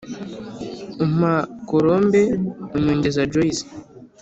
umpa " colombe " unyongeza " joyce "